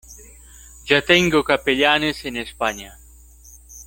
ya tengo capellanes en España.